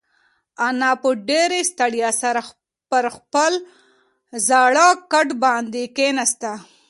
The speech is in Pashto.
انا په ډېرې ستړیا سره پر خپل زاړه کټ باندې کښېناسته.